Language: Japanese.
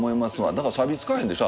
だからサビつかへんでしょ